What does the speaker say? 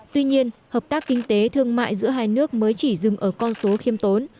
tuy nhiên hợp tác kinh tế thương mại giữa hai nước mới chỉ dừng ở con số khiêm tốn